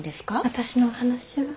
私の話は。